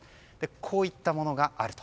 こういったものがあると。